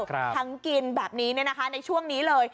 ครับทั้งกินแบบนี้เนี้ยนะคะในช่วงนี้เลย